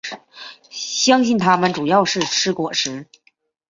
相信它们主要是吃果实。